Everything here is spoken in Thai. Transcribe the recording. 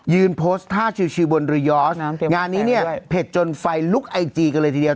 โพสต์ท่าชิวบนเรือยอสงานนี้เนี่ยเผ็ดจนไฟลุกไอจีกันเลยทีเดียว